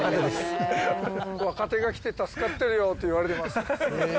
若手が来て助かってるよって言われてます。